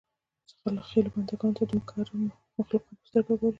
خپلو بنده ګانو ته د مکرمو مخلوقاتو په سترګه ګوري.